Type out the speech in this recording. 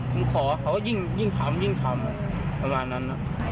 ผมขอเขาก็ยิ่งถามยิ่งถามประมาณนั้นอ่ะ